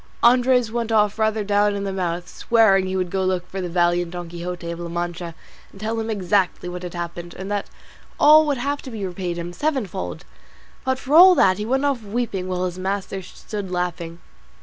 Andres went off rather down in the mouth, swearing he would go to look for the valiant Don Quixote of La Mancha and tell him exactly what had happened, and that all would have to be repaid him sevenfold; but for all that, he went off weeping, while his master stood laughing.